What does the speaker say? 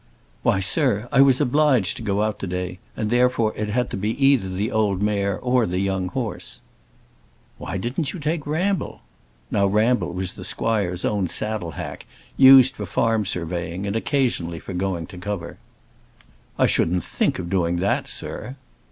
"Why, sir, I was obliged to go out to day, and therefore, it had to be either the old mare or the young horse." "Why didn't you take Ramble?" Now Ramble was the squire's own saddle hack, used for farm surveying, and occasionally for going to cover. "I shouldn't think of doing that, sir."